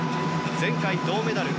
前回、銅メダル。